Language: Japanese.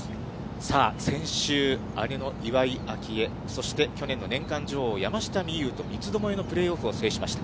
さあ、先週、姉の岩井明愛、そして去年の年間女王、山下美夢有と三つどもえのプレーオフを制しました。